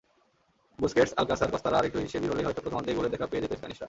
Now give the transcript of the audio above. বুস্কেটস-আলকাসার-কস্তারা আরেকটু হিসেবি হলে হয়তো প্রথমার্ধেই গোলের দেখা পেয়ে যেত স্প্যানিশরা।